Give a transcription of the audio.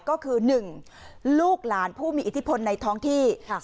ก็คือ๑ลูกหลานผู้มีอิทธิพลในท้องที่